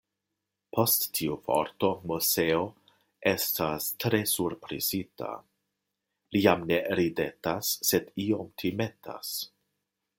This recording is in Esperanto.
Post tiu vorto Moseo estas tre surprizita, li jam ne ridetas, sed iom timetas.